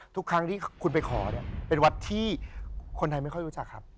ทุกครั้งที่คุณไปขอเนี่ยเป็นวัดที่คนไทยไม่ค่อยรู้จักครับ